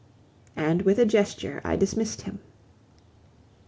And with a gesture I dismissed him.